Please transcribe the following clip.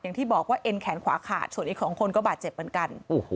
อย่างที่บอกว่าเอ็นแขนขวาขาดส่วนอีก๒คนก็บาดเจ็บเหมือนกัน